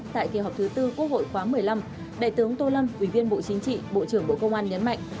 tại kỳ họp thứ tư quốc hội khóa một mươi năm đại tướng tô lâm ủy viên bộ chính trị bộ trưởng bộ công an nhấn mạnh